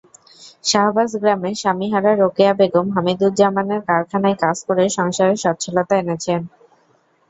শাহাবাজ গ্রামের স্বামীহারা রোকেয়া বেগম হামিদুজ্জামানের কারখানায় কাজ করে সংসারে সচ্ছলতা এনেছেন।